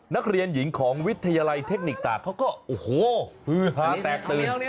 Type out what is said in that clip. นักเรียนหญิงของวิทยาลัยเทคนิคตากเขาก็โอ้โหฮือฮาแตกตื่น